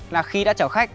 là khi đã chở khách